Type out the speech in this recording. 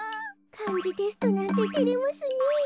かんじテストなんててれますね。